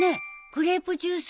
グレープジュース。